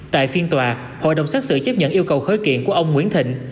tại phiên tòa hội đồng xét xử chấp nhận yêu cầu khởi kiện của ông nguyễn thịnh